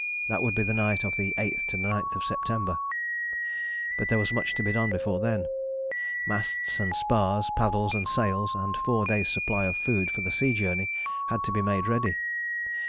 That would be on the night of the 8th 9th September. But there was much to be done before then. Masts and spars, paddles and sails, and four days' supply of food for the sea journey had to be made ready.